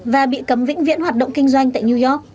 và bị cấm vĩnh viễn hoạt động kinh doanh tại new york